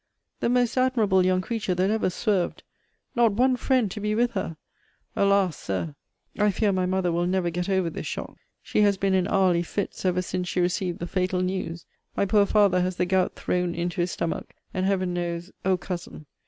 The most admirable young creature that ever swerved! Not one friend to be with her! Alas! Sir, I fear my mother will never get over this shock. She has been in hourly fits ever since she received the fatal news. My poor father has the gout thrown into his stomach; and Heaven knows O Cousin!